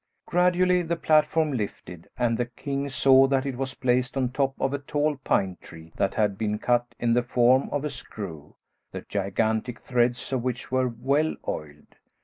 Gradually the platform lifted, and the king saw that it was placed on top of a tall pine tree that had been cut in the form of a screw, the gigantic threads of which were well oiled.